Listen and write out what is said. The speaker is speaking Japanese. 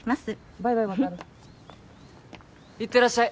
バイバイワタル行ってらっしゃい